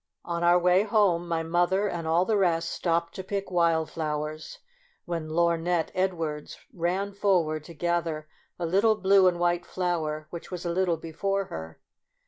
On our way home, my mother and all the rest stopped to pick wild flowers, when Lorgnette Edwards ran forward to gather a little blue and white flower which was a little before her.